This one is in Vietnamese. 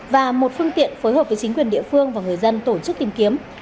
và một phương tiện phối hợp với chính quyền địa phương và người dân tổ chức tìm kiếm